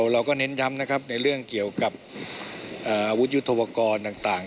เราก็เน้นย้ำนะครับในเรื่องเกี่ยวกับอาวุธยุทธวกรณ์ต่าง